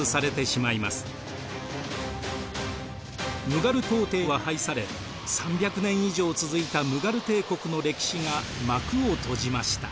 ムガル皇帝は廃され３００年以上続いたムガル帝国の歴史が幕を閉じました。